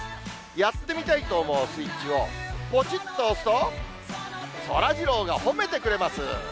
やってみたいと思うスイッチをぽちっと押すと、そらジローが褒めてくれます。